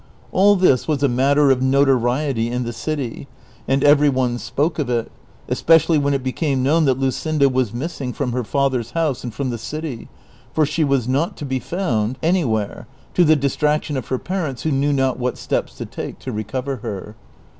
All this was a matter of notoriety in the city, and eveiy one spoke of it ; especially wlien it became known that Luscinda was missing from her father's house and from the city, for she was not to be found anywhere, to the dis traction of her parents, who knew not what steps to take to recover her.